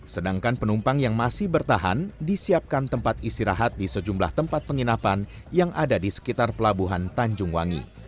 sedangkan penumpang yang masih bertahan disiapkan tempat istirahat di sejumlah tempat penginapan yang ada di sekitar pelabuhan tanjung wangi